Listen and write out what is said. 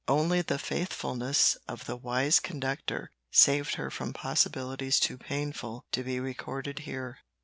Only the faithfulness of the wise conductor saved her from possibilities too painful to be recorded here.